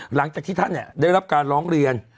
หลังจากที่ท่านได้รับการร้องเรียน